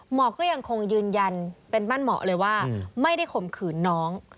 หมอก็ยังคงยืนยันเป็นมั่นเหมาะเลยว่าไม่ได้ข่มขืนน้อง